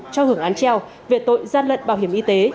cho hưởng án treo về tội gian lận bảo hiểm y tế